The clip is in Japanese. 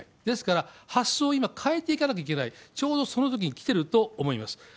ですから、発想を今、変えていかなければいけない、ちょうどそのときにきていると思います。